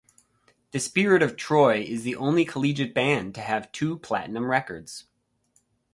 The Spirit of Troy is the only collegiate band to have two platinum records.